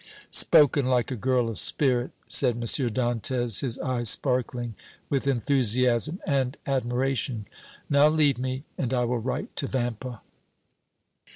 "Spoken like a girl of spirit!" said M. Dantès, his eyes sparkling with enthusiasm and admiration. "Now leave me, and I will write to Vampa."